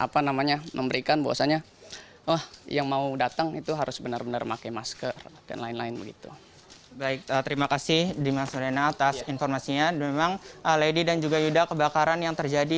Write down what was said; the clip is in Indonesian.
pemprov dki jakarta